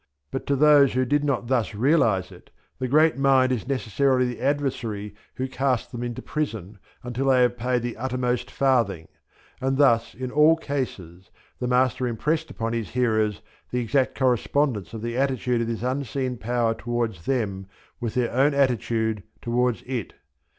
But to those who did not thus realize it, the Great Mind is necessarily the adversary who casts them into prison until they have paid the uttermost farthing; and thus in all cases the Master impressed upon his hearers the exact correspondence of the attitude of this unseen Power towards them with their own attitude towards it.